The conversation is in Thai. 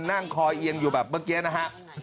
นั่งคอเอียงอยู่แบบเมื่อกี้นะฮะ